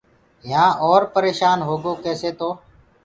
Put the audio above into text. يهآن اورَ پريشآن هوگو ڪيسي تو